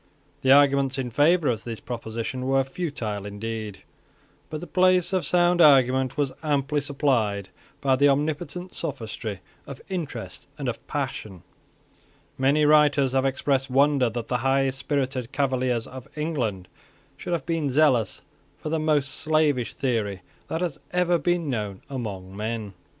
The arguments in favour of this proposition were futile indeed: but the place of sound argument was amply supplied by the omnipotent sophistry of interest and of passion. Many writers have expressed wonder that the high spirited Cavaliers of England should have been zealous for the most slavish theory that has ever been known among men.